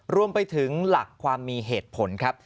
รวมไปถึงหลักความมีเหตุผลครับ